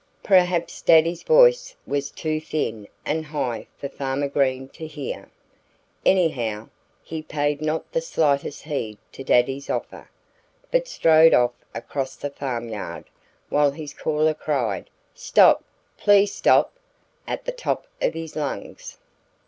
Perhaps Daddy's voice was too thin and high for Farmer Green to hear. Anyhow, he paid not the slightest heed to Daddy's offer, but strode off across the farmyard while his caller cried "Stop! Please stop!" at the top of his lungs.